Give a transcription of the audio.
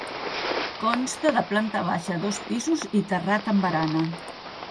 Consta de planta baixa, dos pisos i terrat amb barana.